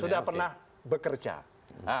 sudah pernah bekerja